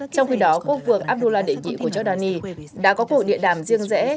trong khi đó quốc vương abdullah đệ nhị của jordan đã có cuộc địa đàm riêng rẽ